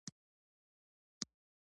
ملګری کله معلومیږي؟